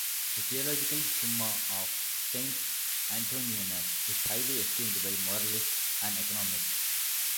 The theological summa of Saint Antoninus is highly esteemed by moralists and economists.